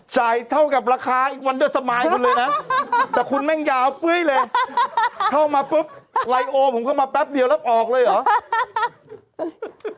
จ่ายเท่ากับราคาอีกวันเดอร์สมายคุณเลยนะแต่คุณแม่งยาวปุ้ยเลยเข้ามาปุ๊บไลโอผมเข้ามาแป๊บเดียวแล้วออกเลยเหรอ